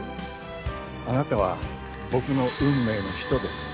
あなたは僕の運命の人です。